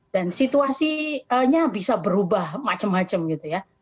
dan situasinya bisa berubah macam macam gitu ya